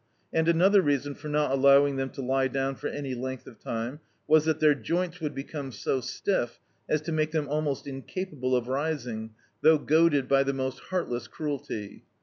And another reason for not allowing ihem to lie down for any length of time was that their joints would become so stiff as to make them almost in capable of rising, thot^ goaded by the most heart less cruelty.